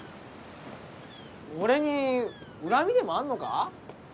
俺に恨みでもあんのか？